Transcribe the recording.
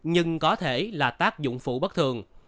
nhưng có thể là tác dụng phụ bất thường